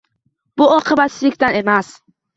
Bu oqibatsizlikdan emas